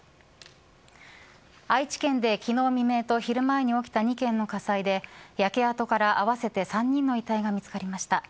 愛知県で昨日未明と昼前に起きた２件の火災で焼け跡から合わせて３人の遺体が見つかりました。